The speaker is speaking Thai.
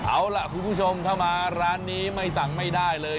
เอาล่ะคุณผู้ชมถ้ามาร้านนี้ไม่สั่งไม่ได้เลย